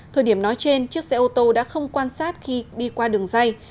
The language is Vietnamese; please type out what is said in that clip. thời điểm nói trên chiếc xe ô tô đã không quan sát khi đi qua đường dây